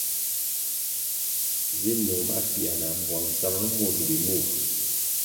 Vi nung mapiē na mabwangʼsa ma mur mbpi murʼ.